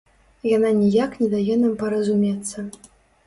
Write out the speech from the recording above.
Яна ніяк не дае нам паразумецца.